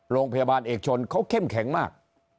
โรงพยาบาลเอกชนเขาเข้มแข็งมาก